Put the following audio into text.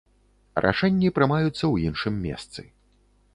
Рашэнні прымаюцца ў іншым месцы.